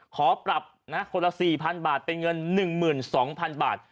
ขอปรับนะคนละ๔๐๐๐บาทเป็นเงิน๑๒๐๐๐บาท